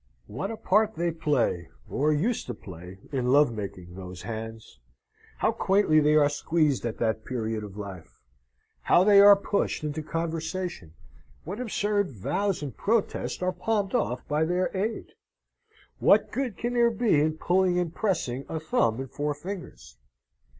What a part they play, or used to play, in love making, those hands! How quaintly they are squeezed at that period of life! How they are pushed into conversation! what absurd vows and protests are palmed off by their aid! What good can there be in pulling and pressing a thumb and four fingers?